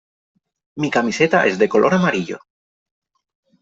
Mi camiseta es de color amarillo.